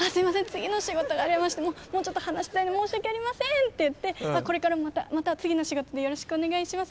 次の仕事がありましてもうちょっと話したいのに申し訳ありませんって言ってこれからまた次の仕事でよろしくお願いします。